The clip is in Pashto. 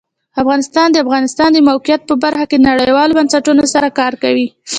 افغانستان د د افغانستان د موقعیت په برخه کې نړیوالو بنسټونو سره کار کوي.